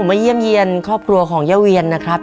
เยี่ยมเยี่ยนครอบครัวของย่าเวียนนะครับ